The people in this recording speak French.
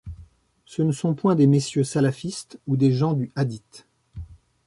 Ce ne sont point des messieurs salafistes ou des gens du hadith.